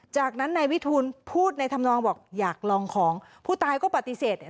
จากนั้นนายวิทูลพูดในธรรมนองบอกอยากลองของผู้ตายก็ปฏิเสธเนี่ย